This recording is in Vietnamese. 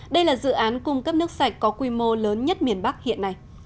đây là dự án cung cấp nước sạch có quy mô lớn nhất miền bắc hiện nay